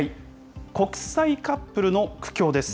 国際カップルの苦境です。